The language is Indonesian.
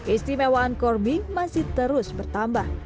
istimewaan corby masih terus bertambah